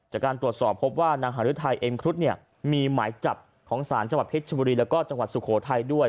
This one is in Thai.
จากการตรวจสอบพบว่านางหารุทัยเอ็มครุฑเนี่ยมีหมายจับของศาลจังหวัดเพชรชบุรีแล้วก็จังหวัดสุโขทัยด้วย